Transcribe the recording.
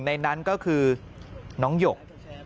ในนั้นก็คือน้องหยก